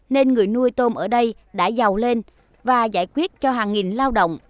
nên người nuôi tôm ở đây đã giàu lên và giải quyết cho hàng nghìn lao động